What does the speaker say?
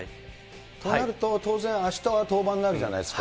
となると当然、あしたは登板になるじゃないですか。